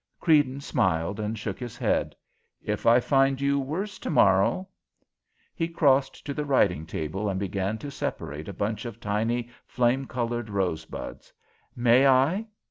Creedon smiled, and shook his head. "If I find you worse tomorrow " He crossed to the writing table and began to separate a bunch of tiny flame coloured rosebuds. "May I?"